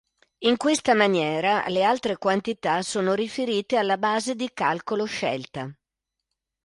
In questa maniera, le altre quantità sono riferite alla base di calcolo scelta.